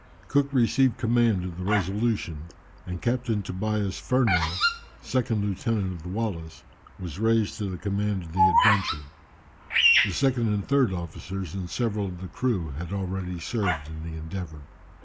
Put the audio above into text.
Cook received command of the Resolution, and Captain Tobias Furneaux, second lieutenant of the Wallis, was raised to the command of the Adventure. The second and third officers, and several of the crew had already served in the Endeavour.